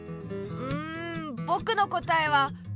んぼくのこたえは。